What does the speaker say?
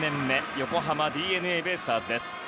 横浜ＤｅＮＡベイスターズです。